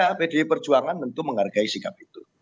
ya pdi perjuangan tentu menghargai sikap itu